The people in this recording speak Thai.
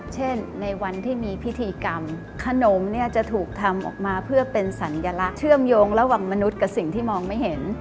เช่นในวันที่มีพิธีกรรมขนมเนี่ยจะถูกทำออกมาเพื่อเป็นสัญลักษณ์เชื่อมโยงระหว่างมนุษย์กับสิ่งที่มองไม่เห็น